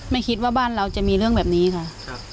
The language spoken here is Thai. ไม่คิดว่าบ้านเราจะมีเรื่องแบบนี้ค่ะ